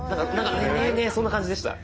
ねそんな感じでした。